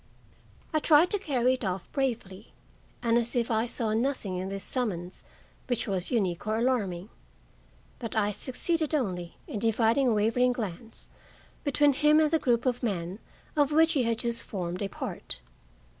I tried to carry it off bravely and as if I saw nothing in this summons which was unique or alarming. But I succeeded only in dividing a wavering glance between him and the group of men of which he had just formed a part.